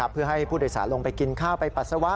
เพื่อให้ผู้โดยสารลงไปกินข้าวไปปัสสาวะ